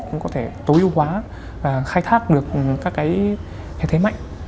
và cũng có thể tối ưu hóa và khai thác được các cái thể mạnh